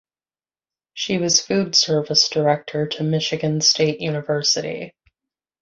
She was food service director to Michigan State University.